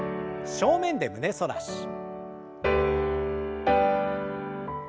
正面で胸反らし。